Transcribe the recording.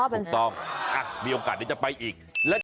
ถูกต้องมีโอกาสนี่จะไปอีก